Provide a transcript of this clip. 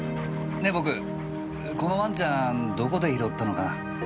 ねぇ僕このワンちゃんどこで拾ったのかな？